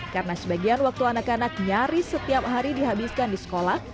karena sebagian waktu anak anak nyaris setiap hari dihabiskan di sekolah